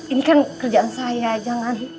ini kan kerjaan saya jalan